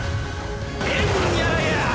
「えんやらやー！」